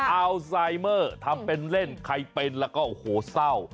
อัลไซเมอร์ทำเป็นเล่นใครเป็นแล้วก็โอ้โหเศร้า